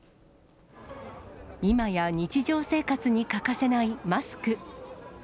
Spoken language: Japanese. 今や日常生活に欠かせないマスク。